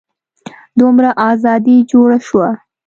دومره ازادي جوړه شوه.